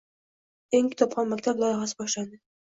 “Eng kitobxon maktab” loyihasi boshlandi